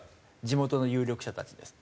地元の有力者たちです。